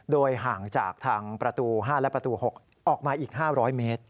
โดยห่างจากทางประตู๕และประตู๖ออกมาอีก๕๐๐เมตร